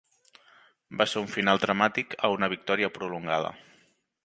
Va ser un final dramàtic a una victòria prolongada.